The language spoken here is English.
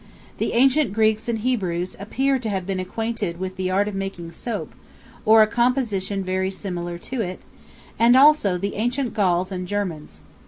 The ancient Greeks and Hebrews appear to have been acquainted with the art of making soap, or a composition very similar to it; and also the ancient Gauls and Germans.